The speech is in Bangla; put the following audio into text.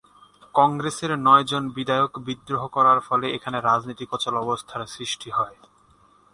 কংগ্রেসের নয়জন বিধায়ক বিদ্রোহ করার ফলে এখানে রাজনৈতিক অচলাবস্থার সৃষ্টি হয়।